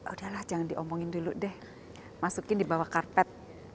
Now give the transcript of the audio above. udahlah jangan diomongin dulu deh masukin di bawah karpet